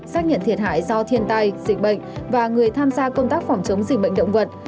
xác nhận thiệt hại do thiên tai dịch bệnh và người tham gia công tác phòng chống dịch bệnh động vật